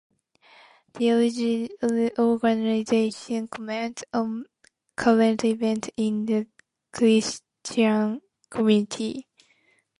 The organization comments on current events in the Christian community.